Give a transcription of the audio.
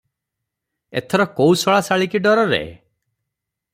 ଏଥର କେଉ ଶଳା ଶାଳୀକି ଡରରେ?